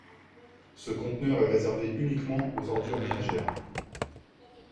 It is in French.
Ce conteneur est réservé uniquement aux ordures ménagères.